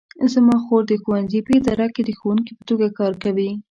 زما خور د ښوونځي په اداره کې د ښوونکې په توګه کار کوي